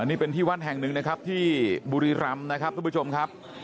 นี่เป็นที่วัดแห่งหนึ่งนะครับที่บุรีรำนะครับทุกผู้ชมครับ